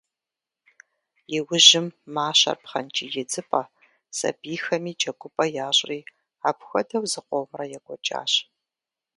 Иужьым мащэр пхъэнкӏий идзыпӏэ, сабийхэми джэгупӏэ ящӏри, апхуэдэу зыкъомрэ екӏуэкӏащ.